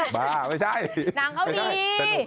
บ้าไม่ใช่นางเขาดี